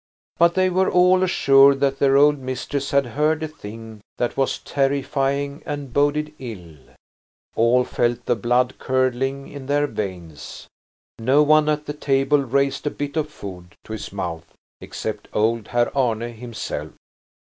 But they were all assured that their old mistress had heard a thing that was terrifying and boded ill. All felt the blood curdling in their veins. No one at the table raised a bit of food to his mouth, except old Herr Arne himself.